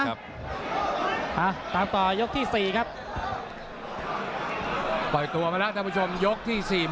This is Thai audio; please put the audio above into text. ตามต่อยกที่สี่ครับปล่อยตัวมาแล้วท่านผู้ชมยกที่สี่